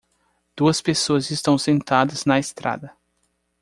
Duas pessoas estão sentadas na estrada.